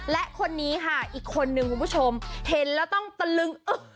และคนนี้ค่ะอีกคนนึงคุณผู้ชมเห็นแล้วต้องตะลึงอึก